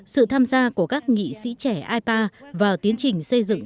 sự tham gia của các nghị sĩ trẻ ipa vào tiến trình xây dựng